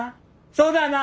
そうだな？